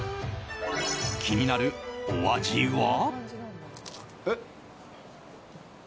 気になるお味は。